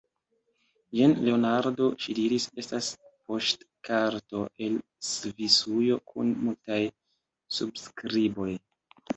Jen, Leonardo, ŝi diris, estas poŝtkarto el Svisujo kun multaj subskriboj.